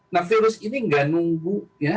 nah virus ini nggak nunggu ya